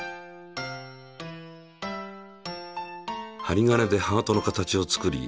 針金でハートの形を作り